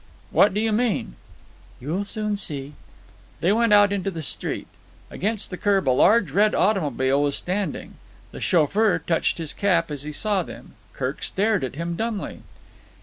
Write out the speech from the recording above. "What do you mean?" "You'll soon see?" They went out into the street. Against the kerb a large red automobile was standing. The chauffeur touched his cap as he saw them. Kirk stared at him dumbly.